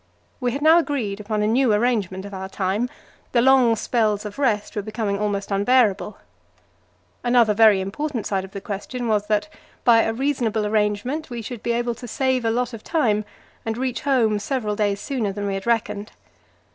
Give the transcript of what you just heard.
We had now agreed upon a new arrangement of our time; the long spells of rest were becoming almost unbearable. Another very important side of the question was that, by a reasonable arrangement, we should be able to save a lot of time, and reach home several days sooner than we had reckoned.